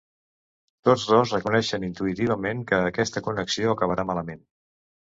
Tots dos reconeixen intuïtivament que aquesta connexió acabarà malament.